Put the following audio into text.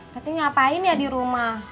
tapi ngapain ya di rumah